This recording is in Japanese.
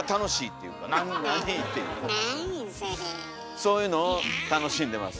そういうのを楽しんでます。